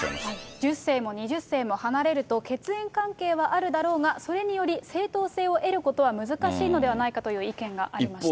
１０世も２０世も離れると血縁関係はあるだろうがそれにより正統性を得るのは難しいのではないかという意見がありました。